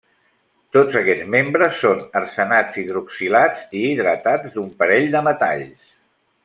Tots aquests membres són arsenats hidroxilats i hidratats d'un parell de metalls.